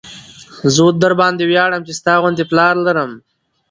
زه درباندې وياړم چې ستا غوندې پلار لرم.